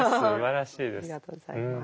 ありがとうございます。